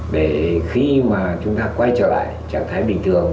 để khi mà chúng ta quay trở lại trạng thái bình thường